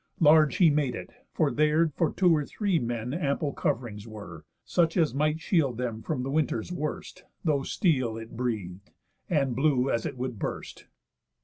Large he made it, for there For two or three men ample cov'rings were, Such as might shield them from the winter's worst, Though steel it breathed, and blew as it would burst.